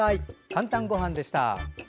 「かんたんごはん」でした。